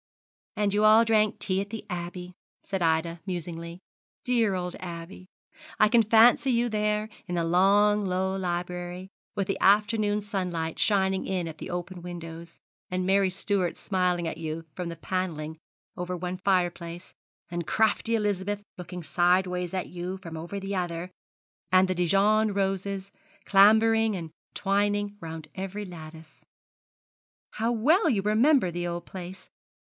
"' 'And you all drank tea at the Abbey,' said Ida, musingly; 'dear old Abbey! I can fancy you there, in the long low library, with the afternoon sunlight shining in at the open windows, and Mary Stuart smiling at you from the panelling over one fire place, and crafty Elizabeth looking sideways at you from over the other, and the Dijon roses clambering and twining round every lattice.' 'How well you remember the old place.